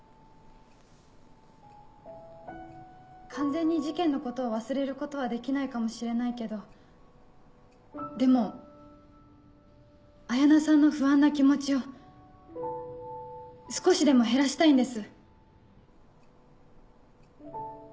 完全に事件のことを忘れることはできないかもしれないけどでも彩菜さんの不安な気持ちを少しでも減らしたいんです。